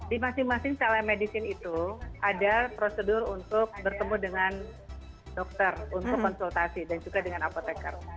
di masing masing telemedicine itu ada prosedur untuk bertemu dengan dokter untuk konsultasi dan juga dengan apotekar